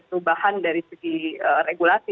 perubahan dari segi regulasi